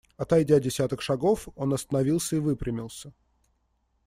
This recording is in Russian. Отойдя десяток шагов, он остановился и выпрямился.